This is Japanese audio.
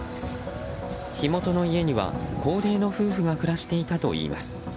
火元の家には、高齢の夫婦が暮らしていたといいます。